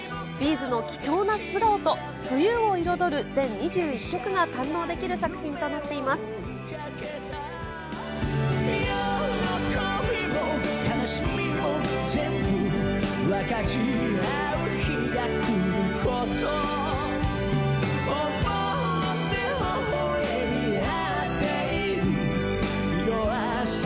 ’ｚの貴重な素顔と冬を彩る全２１曲が堪能できる作品となっています。